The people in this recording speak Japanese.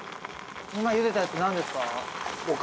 今ゆでたやつなんですか？